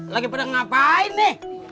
lagi pada ngapain nih